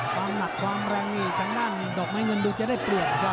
ความหนักความแรงนี่ทางด้านดอกไม้เงินดูจะได้เปรียบ